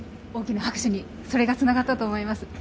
大きな拍手にそれがつながったと思います。